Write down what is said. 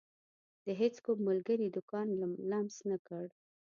د هيڅ کوم ملګري دکان لمس نه کړ.